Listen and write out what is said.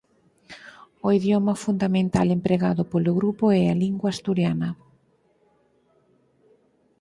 O idioma fundamental empregado polo grupo é a lingua asturiana.